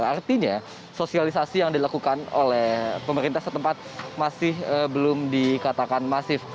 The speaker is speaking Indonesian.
artinya sosialisasi yang dilakukan oleh pemerintah setempat masih belum dikatakan masif